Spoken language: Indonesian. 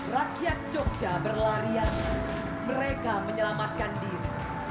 rakyat jogja berlarian mereka menyelamatkan diri